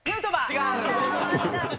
違う。